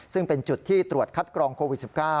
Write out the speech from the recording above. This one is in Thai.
ซึ่งเป็นจุดที่ตรวจคัดกรองโควิด๑๙